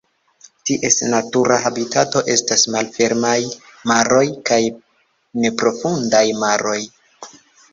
Ties natura habitato estas malfermaj maroj kaj neprofundaj maroj.